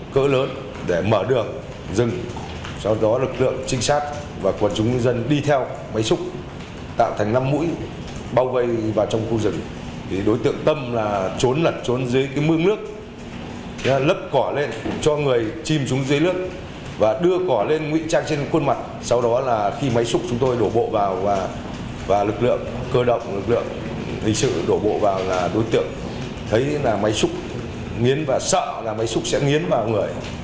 cơ động lực lượng lịch sử đổ bộ vào đối tượng thấy là máy xúc nghiến và sợ là máy xúc sẽ nghiến vào người